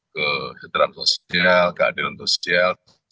kehendak sosial keadilan sosial